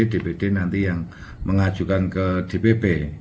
dpd nanti yang mengajukan ke dpp